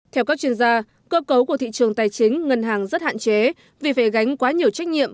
theo các chuyên gia cơ cấu của thị trường tài chính ngân hàng rất hạn chế vì phải gánh quá nhiều trách nhiệm